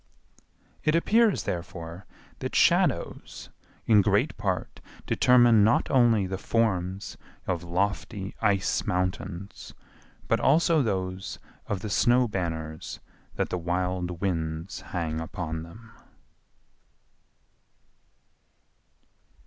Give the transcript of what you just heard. It appears, therefore, that shadows in great part determine not only the forms of lofty ice mountains, but also those of the snow banners that the wild winds hang upon them.